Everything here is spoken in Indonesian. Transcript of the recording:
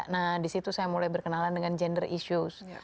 nah disitu saya mulai berkenalan dengan gender issues